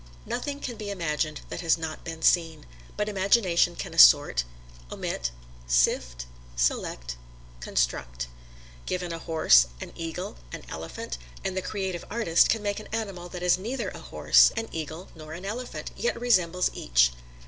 Nothing can be imagined that has not been seen; but imagination can assort, omit, sift, select, construct. Given a horse, an eagle, an elephant, and the "creative artist" can make an animal that is neither a horse, an eagle, nor an elephant, yet resembles each.